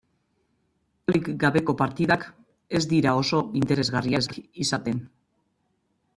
Golik gabeko partidak ez dira oso interesgarriak izaten.